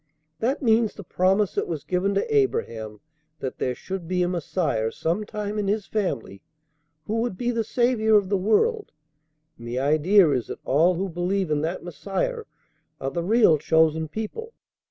That means the promise that was given to Abraham that there should be a Messiah sometime in his family who would be the Saviour of the world, and the idea is that all who believe in that Messiah are the real chosen people.